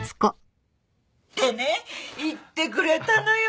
ってね言ってくれたのよ